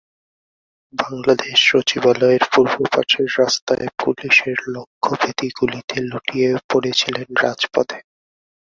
বাংলাদেশ সচিবালয়ের পূর্ব পাশের রাস্তায় পুলিশের লক্ষ্যভেদী গুলিতে লুটিয়ে পড়েছিলেন রাজপথে।